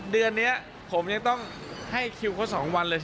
เดือนนี้ผมยังต้องให้คิวเขา๒วันเลย